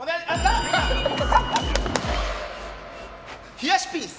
冷やしピース。